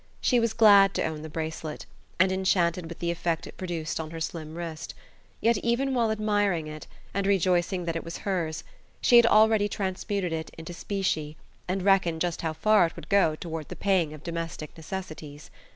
She was glad to own the bracelet, and enchanted with the effect it produced on her slim wrist; yet, even while admiring it, and rejoicing that it was hers, she had already transmuted it into specie, and reckoned just how far it would go toward the paying of domestic necessities.